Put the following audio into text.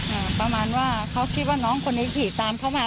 อ่าประมาณว่าเขาคิดว่าน้องคนนี้ขี่ตามเขามา